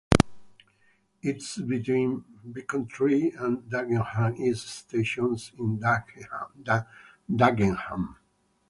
It is between Becontree and Dagenham East stations in Dagenham.